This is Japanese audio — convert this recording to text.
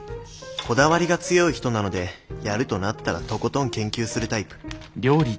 こだわりが強い人なのでやるとなったらとことん研究するタイプ。